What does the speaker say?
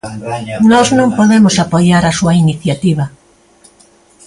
Nós non podemos apoiar a súa iniciativa.